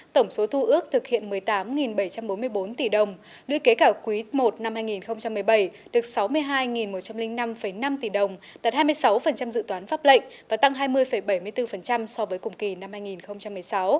tổng số thu ước thực hiện một mươi tám bảy trăm bốn mươi bốn tỷ đồng lưỡi kế cả quý i năm hai nghìn một mươi bảy được sáu mươi hai một trăm linh năm năm tỷ đồng đạt hai mươi sáu dự toán pháp lệnh và tăng hai mươi bảy mươi bốn so với cùng kỳ năm hai nghìn một mươi sáu